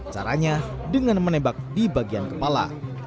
caranya dengan menembak di bagian kepala